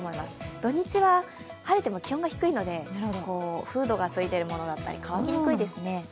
土・日は晴れても気温が低いのでフードがついているものだったり、乾きにくいですね。